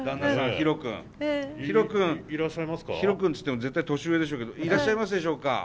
ヒロ君ヒロ君つっても絶対年上でしょうけどいらっしゃいますでしょうか？